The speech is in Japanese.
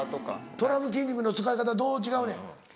トラの筋肉の使い方どう違うねん？